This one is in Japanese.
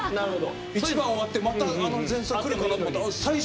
１番終わってまたあの前奏来るかなって思ったら最初の。